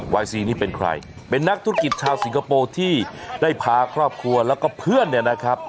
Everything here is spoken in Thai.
ซีนี่เป็นใครเป็นนักธุรกิจชาวสิงคโปร์ที่ได้พาครอบครัวแล้วก็เพื่อนเนี่ยนะครับ